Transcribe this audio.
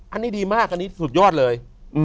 อันนี้ดีมากอันนี้สุดยอดเลย